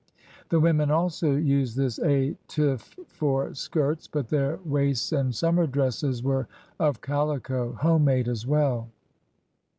The women also used this Stoffe for skirts, but their waists and summer dresses were of calico, homemade as well.